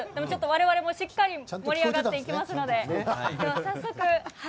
我々もしっかり盛り上がっていきますので。